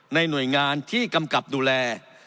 หน่วยงานที่กำกับดูแล